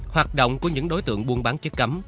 hoạt động của những đối tượng buôn bán chất cấm